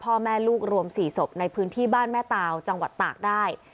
พ่อแม่ลูกรวม๔ศพในพื้นที่บ้านแม่ตาวจังหวัดตากได้